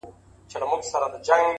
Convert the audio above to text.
سر مي بلند دی ـ